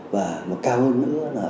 và một cao hơn nữa